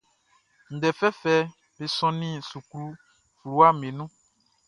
Ndɛ fɛfɛʼm be sɔnnin suklu fluwaʼm be nun.